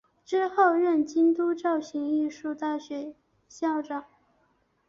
之后任京都造形艺术大学校长。